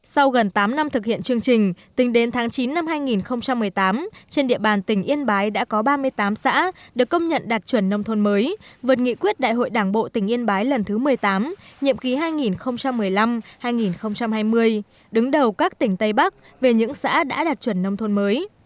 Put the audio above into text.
sau gần tám năm thực hiện chương trình tính đến tháng chín năm hai nghìn một mươi tám trên địa bàn tỉnh yên bái đã có ba mươi tám xã được công nhận đạt chuẩn nông thôn mới vượt nghị quyết đại hội đảng bộ tỉnh yên bái lần thứ một mươi tám nhiệm ký hai nghìn một mươi năm hai nghìn hai mươi đứng đầu các tỉnh tây bắc về những xã đã đạt chuẩn nông thôn mới